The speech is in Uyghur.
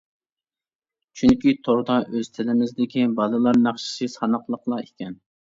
چۈنكى توردا ئۆز تىلىمىزدىكى بالىلار ناخشىسى ساناقلىقلا ئىكەن.